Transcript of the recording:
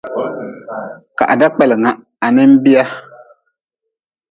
Ka ha dakpelnga ha nin bia.